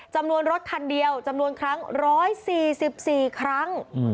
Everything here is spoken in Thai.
จำนวนรถคันเดียวจำนวนครั้ง๑๔๔ครั้ง